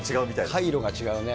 回路が違うね。